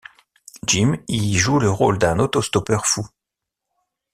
Jim y joue le rôle d'un auto-stoppeur fou.